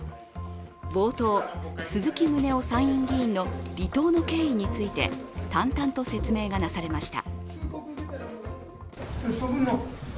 冒頭、鈴木宗男参院議員の離党の経緯について淡々と説明がなされました。